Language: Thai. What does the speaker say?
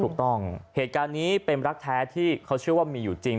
ถูกต้องเหตุการณ์นี้เป็นรักแท้ที่เขาเชื่อว่ามีอยู่จริง